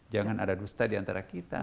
jangan ada dusta di antara kita